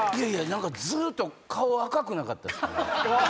何かずっと顔赤くなかったですか？